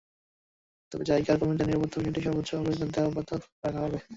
তবে জাইকার কর্মীদের নিরাপত্তার বিষয়টি সর্বোচ্চ অগ্রাধিকার দেওয়া অব্যাহত রাখা হবে।